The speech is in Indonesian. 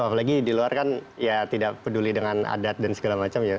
apalagi di luar kan ya tidak peduli dengan adat dan segala macam ya